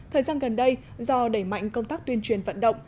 thời gian gần đây do đẩy mạnh công tác tuyên truyền vận động